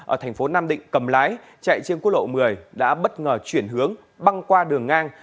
ở thành phố nam định cầm lái chạy trên quốc lộ một mươi đã bất ngờ chuyển hướng băng qua đường ngang